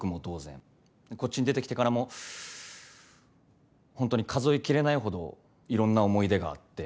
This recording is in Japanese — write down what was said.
こっちに出てきてからも本当に数え切れないほどいろんな思い出があって。